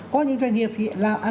có những doanh nghiệp thì